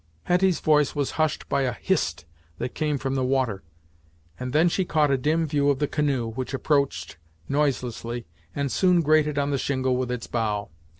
Hetty's voice was hushed by a "Hist!" that came from the water, and then she caught a dim view of the canoe, which approached noiselessly, and soon grated on the shingle with its bow.